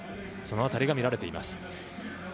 その辺りが見られています。